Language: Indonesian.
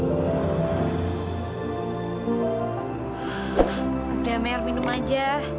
udah meir minum aja